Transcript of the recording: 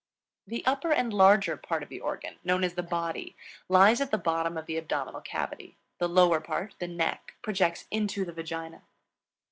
The upper and larger part of the organ, known as the body, lies at the bottom of the abdominal cavity; the lower part, the neck, projects into the vagina.